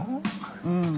うん。